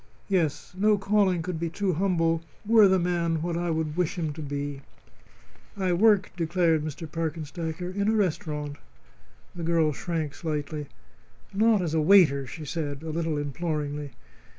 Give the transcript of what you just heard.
Yes; no calling could be too humble were the man what I would wish him to be." "I work," declared Mr. Parkenstacker, "in a restaurant." The girl shrank slightly. "Not as a waiter?" she said, a little imploringly.